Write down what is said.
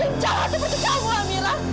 yang jahat seperti kamu amira